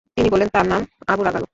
তিনি বললেন, তার নাম আবু রাগাল।